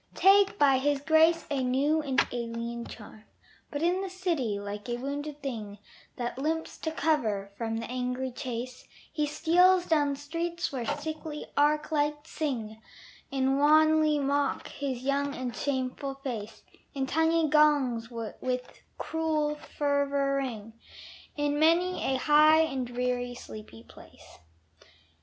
Take by his grace a new and alien charm. But in the city, like a wounded thing That limps to cover from the angry chase, He steals down streets where sickly arc lights sing, And wanly mock his young and shameful face; And tiny gongs with cruel fervor ring In many a high and dreary sleeping place.